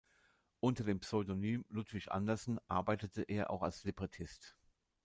Unter dem Pseudonym "Ludwig Andersen" arbeitete er auch als Librettist.